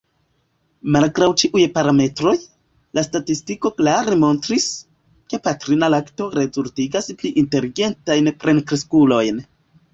Malgraŭ ĉiuj parametroj, la statistiko klare montris, ke patrina lakto rezultigas pli inteligentajn plenkreskulojn.